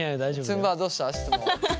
ツムばあどうした？質問。